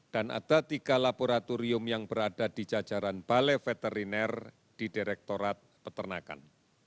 dan ada tiga laboratorium yang berada di jajaran balai veteriner di direktorat peternakan